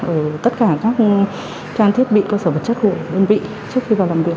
ở tất cả các trang thiết bị cơ sở vật chất của đơn vị trước khi vào làm việc